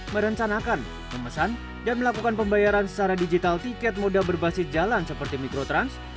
merencanakan memesan dan melakukan pembayaran secara digital tiket moda berbasis jalan seperti mikrotrans